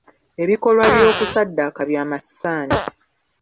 Ebikolwa by'okusadaaka bya masitaani.